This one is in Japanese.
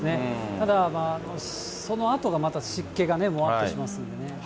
ただ、そのあとがまた湿気がもわっとしますんでね。